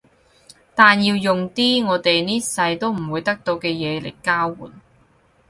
但要用啲我哋呢世都唔會得到嘅嘢嚟交換